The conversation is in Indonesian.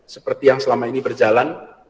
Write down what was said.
seperti yang selama ini berjalan